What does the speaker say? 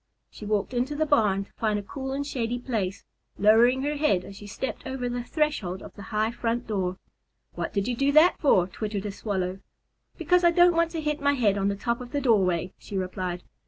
She walked into the barn to find a cool and shady place, lowering her head as she stepped over the threshold of the high front door. "What did you do that for?" twittered a Swallow. "Because I don't want to hit my head on the top of the doorway;" she replied.